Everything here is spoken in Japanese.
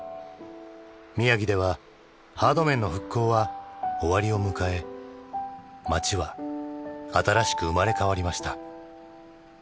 宮城ではハード面の復興は終わりを迎え町は新しく生まれ変わりました。